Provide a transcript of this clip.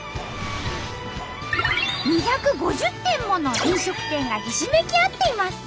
２５０店もの飲食店がひしめき合っています。